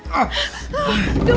masuk ke dalam